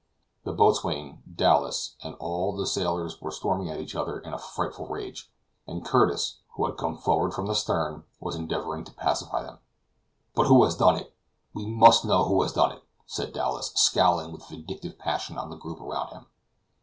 The boatswain, Dowlas, and all the sailors were storming at each other in frightful rage; and Curtis, who had come forward from the stern, was endeavoring to pacify them. "But who has done it? we must know who has done it," said Dowlas, scowling with vindictive passion on the group around him.